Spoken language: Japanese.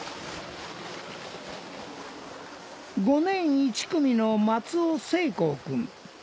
５年１組の松尾星幸君。